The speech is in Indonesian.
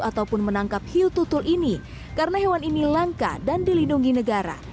ataupun menangkap hiu tutul ini karena hewan ini langka dan dilindungi negara